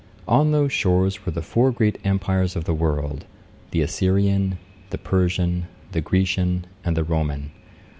On those shores were the four great Empires of the world; the Assyrian, the Persian, the Grecian, and the Roman.